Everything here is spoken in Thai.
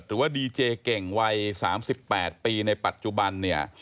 หรือว่าดีเจเก่งวัย๓๘ปีในปัจจุบันเนี่ย